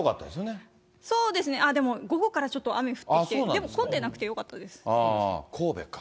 そうですね、でも午後からちょっと雨降ってきて、でも、神戸か。